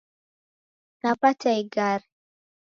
Napata ighare